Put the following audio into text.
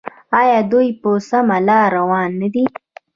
آیا دوی په سمه لار روان نه دي؟